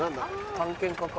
探検家か？